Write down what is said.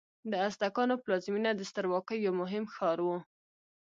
د ازتکانو پلازمینه د سترواکۍ یو مهم ښار و.